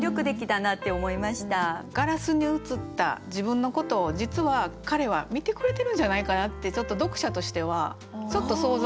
ガラスに映った自分のことを実は彼は見てくれてるんじゃないかなってちょっと読者としては想像もしました。